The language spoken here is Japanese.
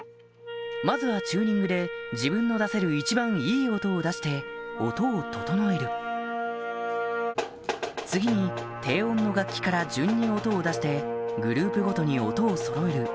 まずは自分の出せる一番いい音を出して音を調える次に低音の楽器から順に音を出してグループごとに音をそろえる